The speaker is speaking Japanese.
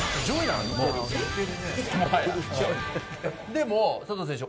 でも佐藤選手